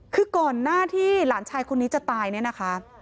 คือก่อนหน้าที่หลานชายคนนี้จะตายเนี่ยนะคะ